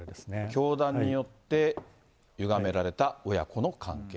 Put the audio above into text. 教団によってゆがめられた親子の関係。